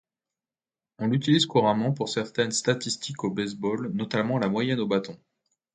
On l'utilise couramment pour certaines statistiques au baseball, notamment la moyenne au bâton.